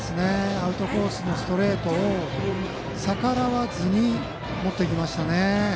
アウトコースのストレートを逆らわずに持っていきましたね。